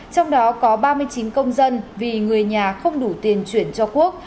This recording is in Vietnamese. trong đó có ba mươi chín công dân vì người nhà không đủ tiền chuyển cho quốc